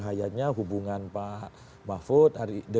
hayatnya hubungan pak mahfud